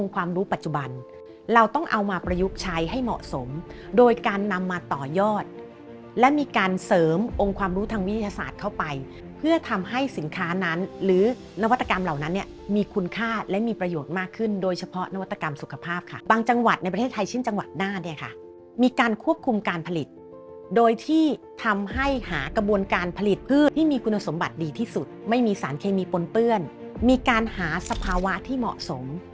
ความรู้ทางวิทยาศาสตร์เข้าไปเพื่อทำให้สินค้านั้นหรือนวัตกรรมเหล่านั้นเนี้ยมีคุณค่าและมีประโยชน์มากขึ้นโดยเฉพาะนวัตกรรมสุขภาพค่ะบางจังหวัดในประเทศไทยชิ้นจังหวัดหน้าเนี้ยค่ะมีการควบคุมการผลิตโดยที่ทำให้หากระบวนการผลิตเพื่อที่มีคุณสมบัติดีที่สุดไม่มีส